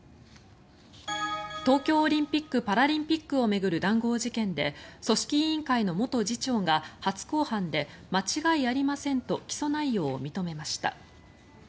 東京オリンピック・パラリンピックを巡る談合事件で組織委員会の元次長が初公判で間違いありませんと起訴内容を認めました。